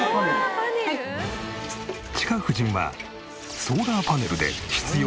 チカ婦人はソーラーパネルで必要